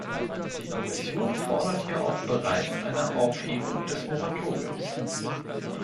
Die Kommission fordert ja auch bereits eine Aufhebung des Moratoriums.